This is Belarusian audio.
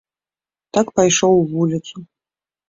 Так пайшоў у вуліцу.